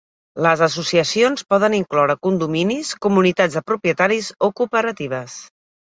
Les associacions poden incloure condominis, comunitats de propietaris o cooperatives.